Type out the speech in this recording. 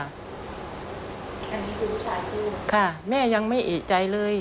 อันนี้คือลูกชายพูดค่ะแม่ยังไม่เอกใจเลย